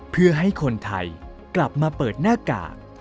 เพื่อให้คนไทยกลับมาเปิดหน้ากาก